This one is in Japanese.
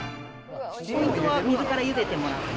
ポイントは水からゆでてもらって。